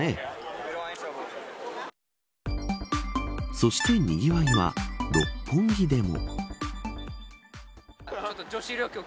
そして、にぎわいは六本木でも。